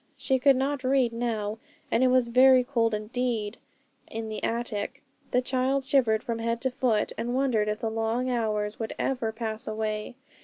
She could not read now, and it was very cold indeed in the attic. The child shivered from head to foot, and wondered if the long hours would ever pass away.